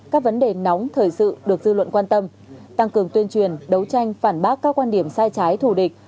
các vấn đề nóng thời sự được dư luận quan tâm tăng cường tuyên truyền đấu tranh phản bác các quan điểm sai trái thù địch